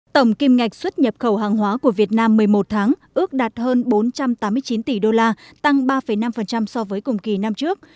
tổng kim ngạch xuất nhập khẩu hàng hóa của việt nam một mươi một tháng ước đạt hơn bốn trăm tám mươi chín tỷ đô la tăng ba năm so với cùng kỳ năm trước